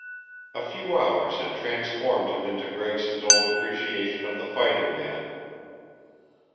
A few hours had transformed him into Gregson's old appreciation of the fighting man.